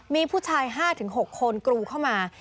มีผู้ชาย๕๖คนกรูเข้ามา